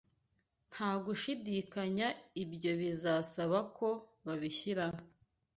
Nta gushidikanya ibyo bizasaba ko babishyiraho